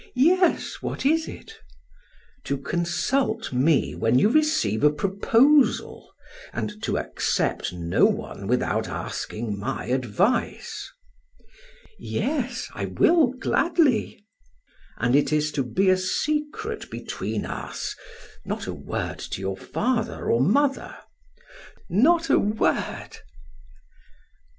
"Yes; what is it?" "To consult me when you receive a proposal and to accept no one without asking my advice." "Yes, I will gladly." "And it is to be a secret between us not a word to your father or mother." "Not a word."